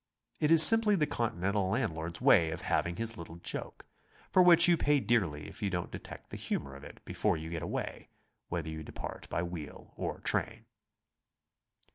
It is simply the Continental landlord's way of having his little joke, for which you pay dearly if you don't detect the humor of it before you get away, whether you depart by wheel or train.